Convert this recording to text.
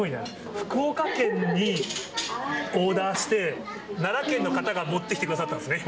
福岡県にオーダーして、奈良県の方が持ってきてくださったんですね、今。